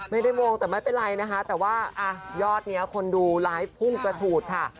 โมงแต่ไม่เป็นไรนะคะแต่ว่ายอดนี้คนดูไลฟ์พุ่งกระฉูดค่ะ